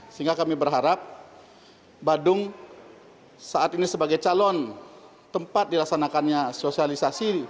sehingga kami berharap badung saat ini sebagai calon tempat dilaksanakannya sosialisasi